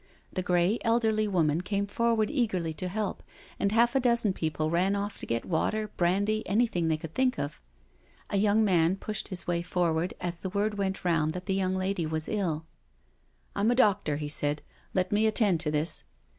The grey, elderly woman came forward eagerly to help, and half a dozen people ran off to get water, brandy, anything they could think of. A young man pushed his way forward as the word went round that the young lady was ill. " I'm a doctor," he said: " let me attend to this."